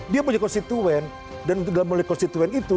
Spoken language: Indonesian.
dia punya konstituen dan dalam konstituen itu